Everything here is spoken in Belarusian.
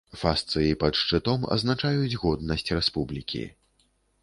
Фасцыі пад шчытом азначаюць годнасць рэспублікі.